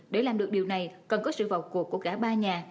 để làm được điều này cần có sự vào cuộc của cả ba nhà